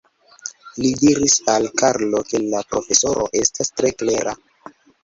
Li diris al Karlo, ke la profesoro estas tre klera.